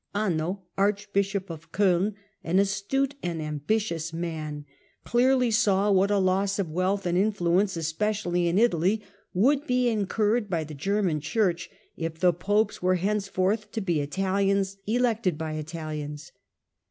Anno, archbishop of C5ln, an astute and ambitious man, clearly saw what a loss of wealth and influence, especially in Italy, would be incurred by the German Church if the popes were henceforth to be Italians elected by Italians.